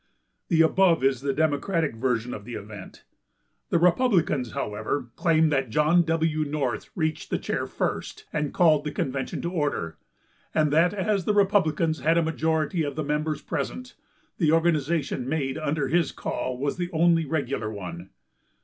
The above is the Democratic version of the event. The Republicans, however, claim that John W. North reached the chair first, and called the convention to order, and that as the Republicans had a majority of the members present, the organization made under his call was the only regular one.